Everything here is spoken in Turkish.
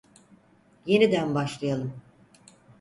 Yeniden başlayalım.